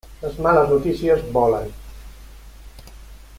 Les males notícies volen.